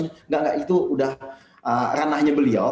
nggak nggak itu udah ranahnya beliau